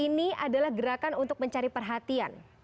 ini adalah gerakan untuk mencari perhatian